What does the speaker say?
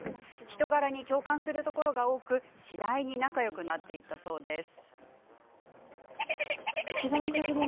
人柄に共感するところが多く次第に仲よくなっていったそうです。